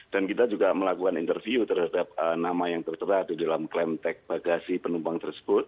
dan kita juga melakukan interview terhadap nama yang tertera di dalam klem tek bagasi penumpang tersebut